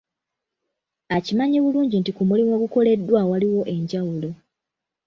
Akimanyi bulungi nti ku mulimu ogukoleddwa waliwo enjawulo.